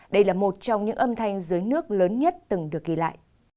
đây là một trong những âm thanh dưới nước lớn nhất từng được ghi lại